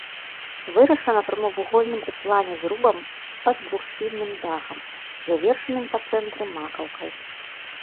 Вырашана прамавугольным у плане зрубам пад двухсхільным дахам, завершаным па цэнтры макаўкай.